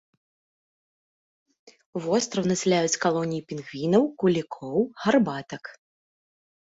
Востраў насяляюць калоніі пінгвінаў, кулікоў, гарбатак.